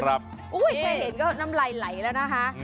แค่เห็นก็น้ำไหล่แล้วนะคะ